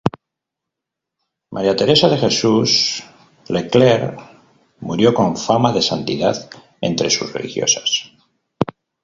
María Teresa de Jesús Le Clerc murió con fama de santidad entre sus religiosas..